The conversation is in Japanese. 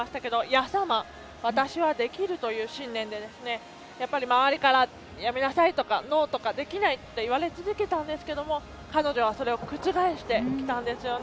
私はできるという信念で周りから、やめなさいとかノーとか、できないとか言われ続けたんですが彼女はそれを覆したんです。